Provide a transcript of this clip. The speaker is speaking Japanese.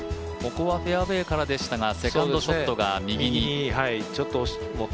ここはフェアウエーからでしたがセカンドショットが右に。